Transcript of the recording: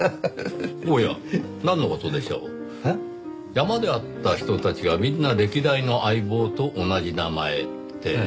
山で会った人たちがみんな歴代の相棒と同じ名前って。